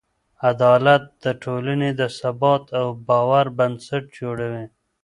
عدالت د ټولنې د ثبات او باور بنسټ جوړوي.